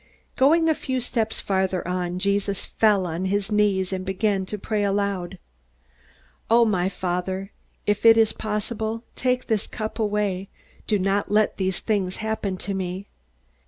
Going a few steps farther on, Jesus fell on his knees and began to pray aloud: "O my Father, if it is possible, take this cup away; do not let these things happen to me!